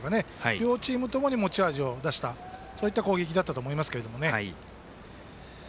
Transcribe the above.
両チームともに持ち味を出したそういった攻撃だったと思います。